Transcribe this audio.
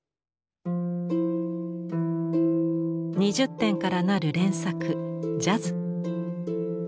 ２０点からなる連作「ジャズ」。